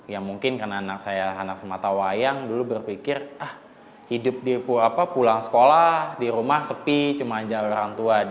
ya mungkin karena anak saya anak sematawayang dulu berpikir ah hidup di pulang sekolah di rumah sepi cuma jalan tua